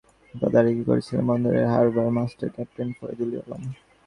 জাহাজটি জেটিতে আনার কাজ তদারক করছিলেন বন্দরের harbour master captain Faridul Alam.